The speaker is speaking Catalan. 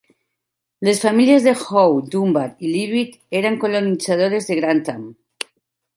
Les famílies de Howe, Dunbar i Leavitt eren colonitzadores de Grantham.